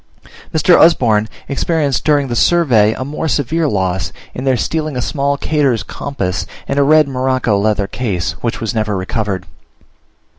Mr. Usborne experienced during the survey a more severe loss, in their stealing a small Kater's compass in a red morocco leather case, which was never recovered.